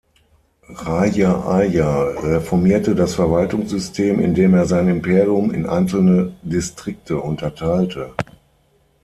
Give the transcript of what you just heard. Rajaraja reformierte das Verwaltungssystem, indem er sein Imperium in einzelne Distrikte unterteilte.